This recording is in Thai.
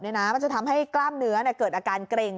มันจะทำให้กล้ามเนื้อเกิดอาการเกร็ง